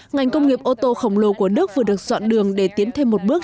ngành công nghiệp ô tô khổng lồ của đức vừa được dọn đường để tiến thêm một bước